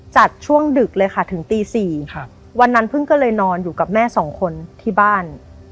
จัดช่วงดึกเลยค่ะถึงตี๔วันนั้นพึ่งก็เลยนอนอยู่กับแม่สองคนที่บ้าน